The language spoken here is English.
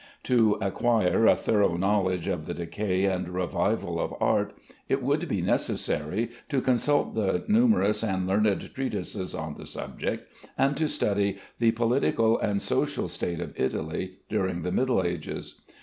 To acquire a thorough knowledge of the decay and revival of art, it would be necessary to consult the numerous and learned treatises on the subject, and to study the political and social state of Italy during the Middle Ages.